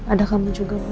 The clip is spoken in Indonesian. ada kamu juga mas